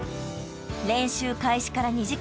［練習開始から２時間］